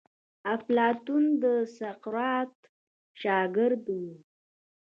افلاطون د سقراط شاګرد وو.